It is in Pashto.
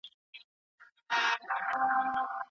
کومه توګه باورونه د خلګو ترمنځ اړیکي جوړوي؟